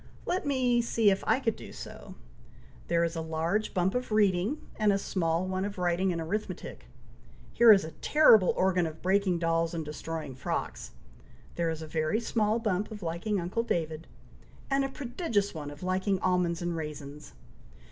Let me see if I could do so! There is a large bump of reading, and a small one of writing and arithmetic. Here is a terrible organ of breaking dolls and destroying frocks. There is a very small bump of liking uncle David, and a prodigious one of liking almonds and raisins!"